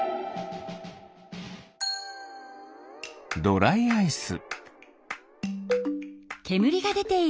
ドライアイス。